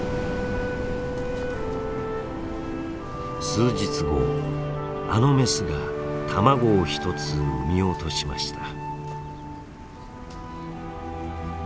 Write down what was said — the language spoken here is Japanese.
数日後あのメスが卵を１つ産み落としました。